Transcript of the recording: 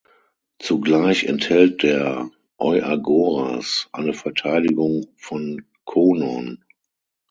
Zugleich enthält der "Euagoras" eine Verteidigung von Konon.